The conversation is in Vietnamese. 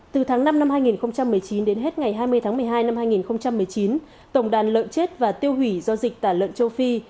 từ tháng năm năm hai nghìn một mươi chín đến hết ngày hai mươi tháng một mươi hai năm hai nghìn một mươi chín tổng đàn lợn chết và tiêu hủy do dịch tả lợn châu phi